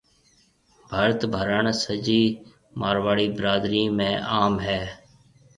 ڀرت ڀرڻ سجِي مارواڙِي برادرِي ۾ عام هيَ۔